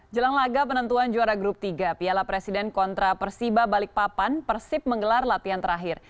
jelang laga penentuan juara grup tiga piala presiden kontra persiba balikpapan persib menggelar latihan terakhir